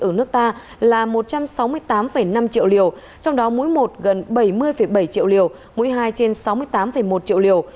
ở nước ta là một trăm sáu mươi tám năm triệu liều trong đó mũi một gần bảy mươi bảy triệu liều mũi hai trên sáu mươi tám một triệu liều